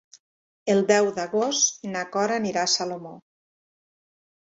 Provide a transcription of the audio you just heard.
El deu d'agost na Cora anirà a Salomó.